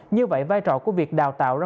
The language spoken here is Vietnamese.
như vậy vai trò của việc đào tạo ra